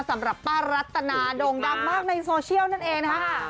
สำหรับป้ารัตนาโด่งดังมากในโซเชียลนั่นเองนะคะ